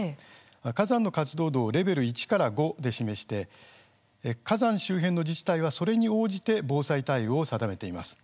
火山の活動度をレベル１から５で示して火山周辺の自治体はそれに応じて防災対応を定めています。